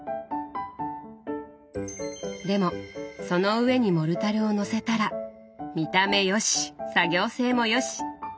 でもその上にモルタルを載せたら見た目よし作業性もよし！